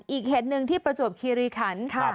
อีกเหตุหนึ่งที่ประจวบคีรีคัน